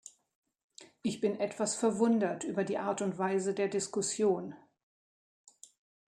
Ich bin etwas verwundert über die Art und Weise der Diskussion.